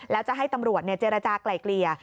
แล้วจะให้ตำรวจเจรจากลายเกลี่ย